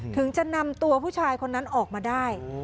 ถึงจะนำตัวผู้ชายคนนั้นออกมาได้